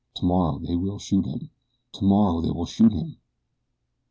Tomorrow they will shoot him! Tomorrow they will shoot him!"